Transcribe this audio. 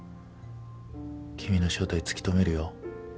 君の正体突き止めるよ